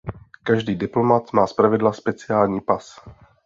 Každý diplomat má zpravidla speciální pas.